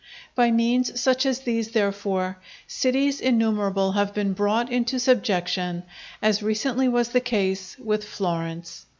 By means such as these, therefore, cities innumerable have been brought into subjection, as recently was the case with Florence.